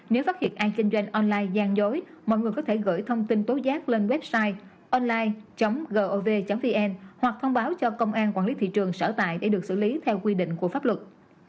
nếu phát hiện an kinh doanh online gian dối mọi người có thể gửi thông tin tối giác lên website online gov vn hoặc thông báo cho công an quản lý thị trường sở tại để được xử lý theo quy định của pháp luật